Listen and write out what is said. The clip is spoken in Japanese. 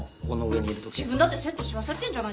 自分だってセットし忘れてるんじゃないですか？